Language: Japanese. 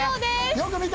よく見て。